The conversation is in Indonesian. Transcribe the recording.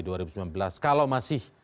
lagi jokowi dua ribu sembilan belas kalau masih